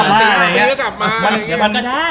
คิดอย่างงั้นเดี๋ยวก็กลับมา